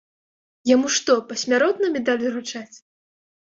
Яму што, пасмяротна медаль уручаць?